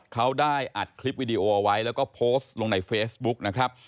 เขาได้อัดคลิปวิดีโอเอาไว้แล้วก็โพสต์ลงในเฟซบุ๊กนะครับ